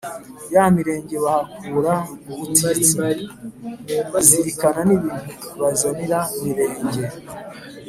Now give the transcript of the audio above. ya Mirenge bahakura ubutitsa; azirikana n’ibintu bazanira Mirenge